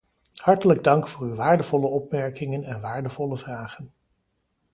Hartelijk dank voor uw waardevolle opmerkingen en waardevolle vragen.